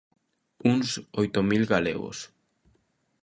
Uns oito mil galegos.